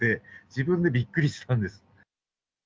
自分でびっくりしたんです。